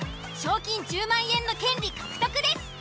賞金１０万円の権利獲得です。